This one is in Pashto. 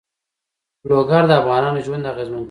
لوگر د افغانانو ژوند اغېزمن کوي.